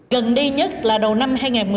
gần đây nhất là đầu năm hai nghìn một mươi chín